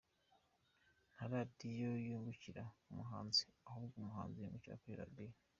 Nta radio yungukira ku muhanzi, ahubwo umuhanzi yungukira kuri radio.